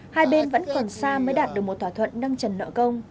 hai bên vẫn còn xa mới đạt được một thỏa thuận nâng trần nợ công